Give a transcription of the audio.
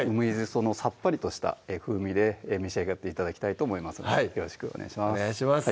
そのさっぱりとした風味で召し上がって頂きたいと思いますのでよろしくお願いします